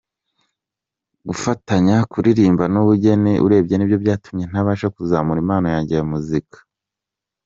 Gufatanya kuririmba n’ubugeni urebye nibyo byatumye ntabasha kuzamura impano yanjye ya muzika.